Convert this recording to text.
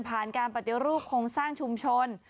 ผ่านการประเด็นรูปโครงสร้างชุมชน